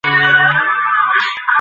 কেউ এটা কী বলতে পারবে?